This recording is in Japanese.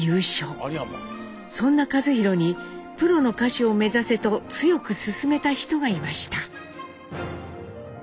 そんな一寛にプロの歌手を目指せと強く勧めた人がいました。